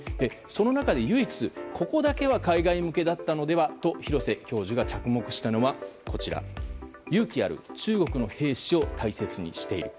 その中で唯一、ここだけは海外向けだったのではと廣瀬教授が着目したのは勇気ある中国の兵士を大切にしている。